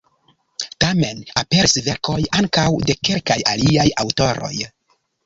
Tamen aperis verkoj ankaŭ de kelkaj aliaj aŭtoroj.